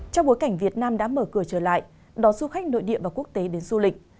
trong bối cảnh việt nam đã mở cửa trở lại đón du khách nội địa và quốc tế đến du lịch